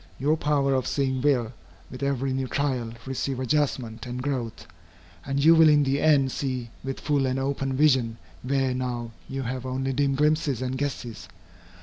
Your power of seeing will, with every new trial, receive adjustment and growth, and you will in the end see with full and open vision where now you have only dim glimpses and guesses.